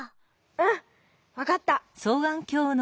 うんわかった！